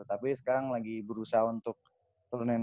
tapi sekarang lagi berusaha untuk turunin